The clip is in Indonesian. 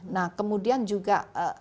nah kemudian juga